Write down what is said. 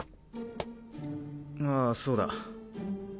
ああそうだ。